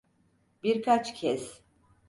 Birkaç kez.